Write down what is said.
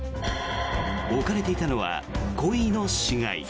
置かれていたのはコイの死骸。